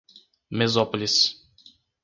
Mesópolis